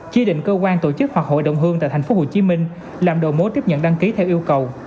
chi định cơ quan tổ chức hoặc hội đồng hương tại tp hcm làm đồ mối tiếp nhận đăng ký theo yêu cầu